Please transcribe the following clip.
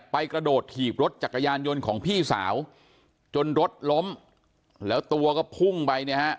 กระโดดถีบรถจักรยานยนต์ของพี่สาวจนรถล้มแล้วตัวก็พุ่งไปเนี่ยฮะ